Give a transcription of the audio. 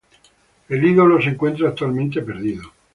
El ídolo se encuentra actualmente perdido.